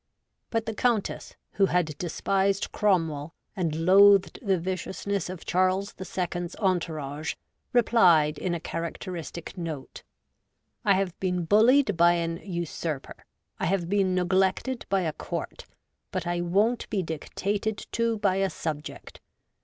But the Countess, who had despised Cromwell and loathed the viciousness of Charles the Second's entourage, replied, in a cha racteristic note, ' I have been bullied by an usurper ; I have been neglected by a Court ; but I won't be dictated to by a subject.